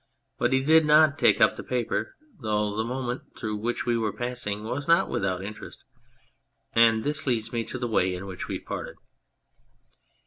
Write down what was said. But he did not take up the paper, though the moment through which we were passing was not without interest and this leads me to the way in which we parted.